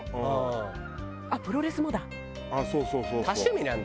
あっプロレスもだ。